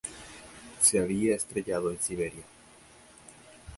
Se había estrellado en Siberia.